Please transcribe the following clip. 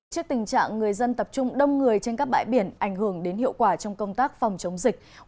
trước tình trạng người dân tập trung đông người trên các bãi biển ảnh hưởng đến hiệu quả trong công tác phòng chống dịch